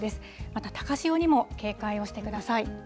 また高潮にも警戒をしてください。